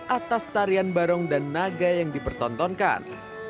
atas tarian barong dan naga yang dipertontonkan